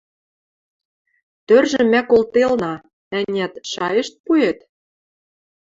Тӧржӹм мӓ колделна, ӓнят, шайышт пуэт?